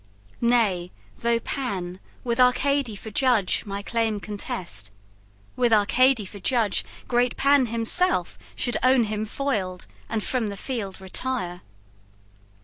Nay, though Pan, With Arcady for judge, my claim contest, With Arcady for judge great Pan himself Should own him foiled, and from the field retire.